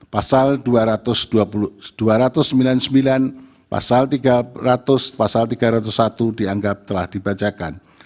pasal dua ratus sembilan puluh sembilan pasal tiga ratus pasal tiga ratus satu dianggap telah dibacakan